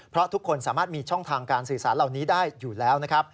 เพราะทุกคนสามารถมีช่องทางการสื่อสารเหล่านี้ได้อยู่แล้วนะครับ